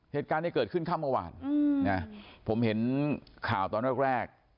เหตุการณ์นี้เกิดขึ้นข้ามกว่าผมเห็นข่าวตอนแรก